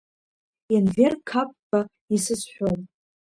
Енвер Қапба, исызҳәом…